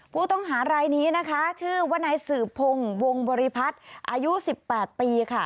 ผู้ต้องหารายนี้นะคะชื่อว่านายสืบพงศ์วงบริพัฒน์อายุ๑๘ปีค่ะ